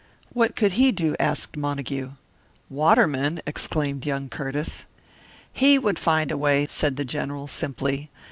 "What could he do?" asked Montague. "Waterman!" exclaimed young Curtiss. "He would find a way," said the General, simply.